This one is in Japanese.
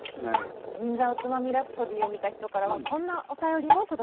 「銀座おつまみラプソディ」を見た人からはこんなお便りも届きました。